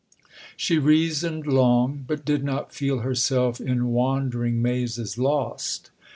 She reasoned long, but did not feel herself "in wandering mazes lost."